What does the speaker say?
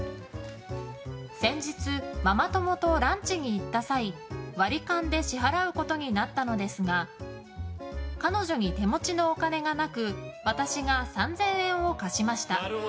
先日、ママ友とランチに行った際割り勘で支払うことになったのですが彼女に手持ちのお金がなく私が３０００円を貸しました。